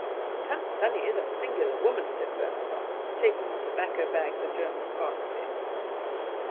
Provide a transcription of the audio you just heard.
"Tant Sannie is a singular woman," said Bonaparte, taking the tobacco bag the German passed to him.